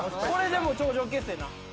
これでもう頂上決戦な。